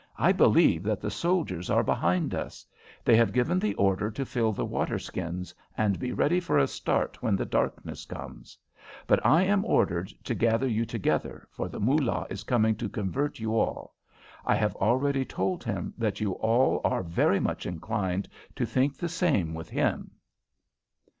I believe that the soldiers are behind us. They have given the order to fill the waterskins, and be ready for a start when the darkness comes. But I am ordered to gather you together, for the Moolah is coming to convert you all. I have already told him that you are all very much inclined to think the same with him."